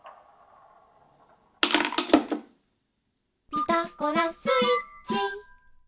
「ピタゴラスイッチ」